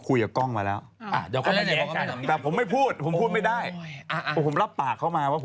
กล้องไม้ไล่ดังไหมก็จงเป็นอย่างงั้นแหละครับ